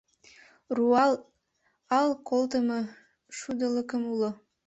Руал ал колтымо шудылыкем уло